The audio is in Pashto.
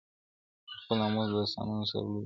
د خپل ناموس له داستانونو سره لوبي کوي-